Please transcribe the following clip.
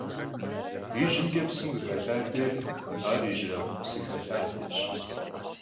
Yijımç'e psım khıxelhader ar yijırabğu psı xelhadeş.